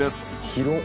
広っ！